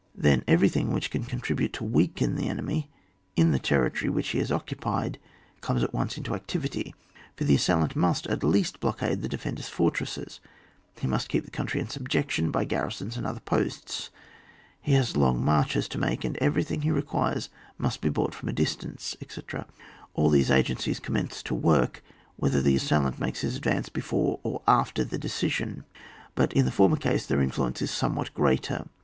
Then everything which can con tribute to weaken the enemy in the ter ritory which he has occupied, comes at once into activity, for the assailant must at least blockade the defender's fortresses, he must keep the country in subjection by garrisons and other posts, he has long marches to make, and everything he requires must be brought from a distance, etc. All these agencies commence to work, whether the assailant makes h%B advance before or after a decision, but in the former case their influence is some what greater.